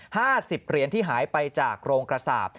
ห้าสิบเหรียญที่หายไปจากโรงกระสาป